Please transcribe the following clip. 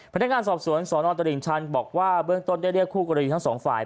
พนักงานสอบสวนสนตลิ่งชันบอกว่าเบื้องต้นได้เรียกคู่กรณีทั้งสองฝ่าย